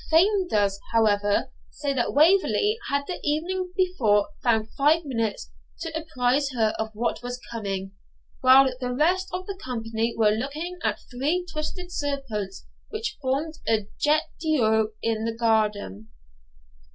Fame does, however, say that Waverley had the evening before found five minutes to apprise her of what was coming, while the rest of the company were looking at three twisted serpents which formed a, jet d'eau in the garden.